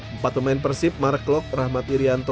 empat pemain persib mark klok dani kurnia dan edo febriansya